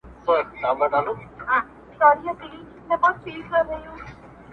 • د بازانو له ځاليه -